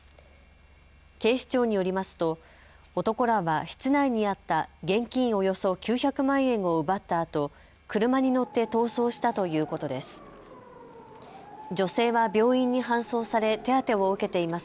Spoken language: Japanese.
警視庁によりますと男らは室内にあった現金およそ９００万円を奪ったあと車に乗って逃走したということです。